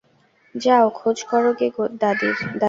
যাও খোঁজ করো গে দাড়ির।